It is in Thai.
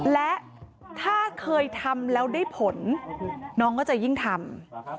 และถ้าเคยทำแล้วได้ผลน้องก็จะยิ่งทำ